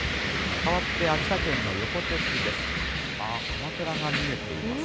変わって、秋田県の横手市です。